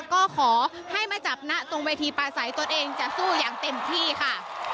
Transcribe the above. ก็ขอให้มาจับนะตรงเวทีปลาใสตนเองจะสู้อย่างเต็มที่ค่ะ